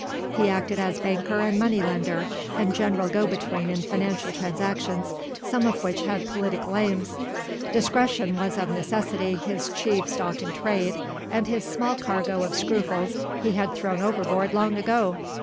He acted as banker and moneylender, and general go between in financial transactions, some of which had political aims. Discretion was of necessity his chief stock in trade, and his small cargo of scruples he had thrown overboard long ago.